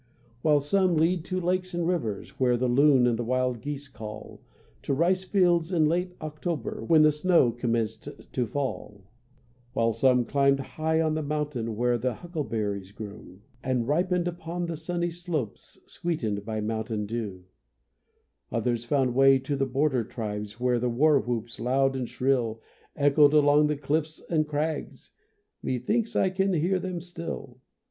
While some lead to lakes and rivers Where the loon and wild geese call, To rice fields in late October When the snow commenced to fall,— While some climbed high on the mountain Where the huckleberries grew, And ripened upon the sunny slopes, Sweetened by mountain dew,— Others found way to the border tribes Where the war whoops loud and shrill, Echoed along the cliffs and crags,— Me thinks I can hear them still.